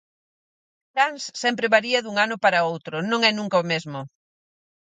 Cans sempre varía dun ano para outro, non é nunca o mesmo.